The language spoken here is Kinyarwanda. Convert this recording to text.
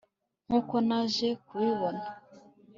Nkuko naje kubibona